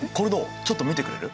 ちょっと見てくれる？